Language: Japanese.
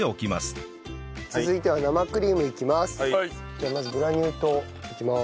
じゃあまずグラニュー糖いきます。